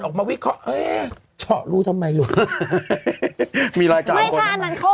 ออกมาวิคอเอ้ยชอรู้ทำไมรู้มีรายการไม่ค่ะอันนั้นเข้า